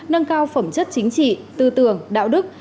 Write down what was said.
nâng cao phẩm chất chính trị tư tưởng đạo đức